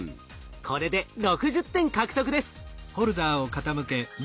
これで６０点獲得です。